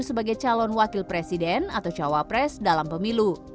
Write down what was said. sebagai calon wakil presiden atau cawapres dalam pemilu